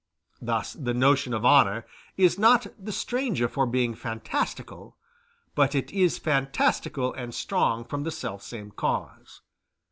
Thus the notion of honor is not the stronger for being fantastical, but it is fantastical and strong from the selfsame cause.